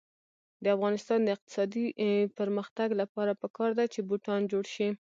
د افغانستان د اقتصادي پرمختګ لپاره پکار ده چې بوټان جوړ شي.